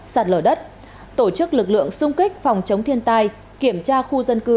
sạt lở đất tổ chức lực lượng xung kích phòng chống thiên tai kiểm tra khu dân cư